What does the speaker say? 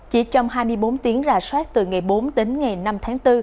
chỉ trong hai mươi bốn tiếng rà soát từ ngày bốn đến ngày năm tháng bốn